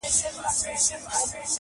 کشپ وویل خبره مو منمه-